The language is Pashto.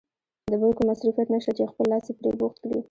بل کوم مصروفیت نشته چې خپل لاس پرې بوخت کړې.